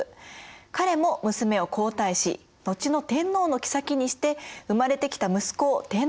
彼も娘を皇太子後の天皇の后にして生まれてきた息子を天皇にしてるよね。